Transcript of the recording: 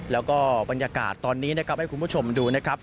แล้วก็บรรยากาศตอนนี้นะครับให้คุณผู้ชมดูนะครับ